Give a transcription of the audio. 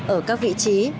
ở các vị trí